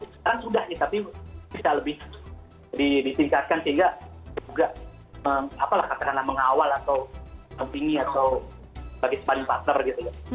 sekarang sudah ya tapi bisa lebih ditingkatkan sehingga juga mengawal atau mempingi atau sebagai sparring partner gitu ya